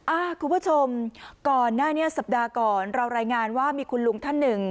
คุณผู้ชมก่อนหน้านี้สัปดาห์ก่อนเรารายงานว่ามีคุณลุงท่านหนึ่ง